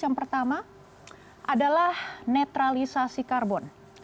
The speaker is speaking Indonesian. yang pertama adalah netralisasi karbon